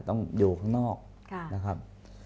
ต้องอยู่ข้างนอกนะครับ